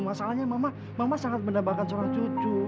masalahnya mama sangat menambahkan seorang cucu